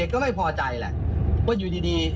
ก็ไม่พอใจแหละว่าอยู่ดี